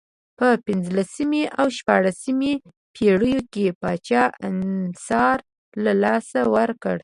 په پنځلسمې او شپاړسمې پېړیو کې پاچا انحصار له لاسه ورکړ.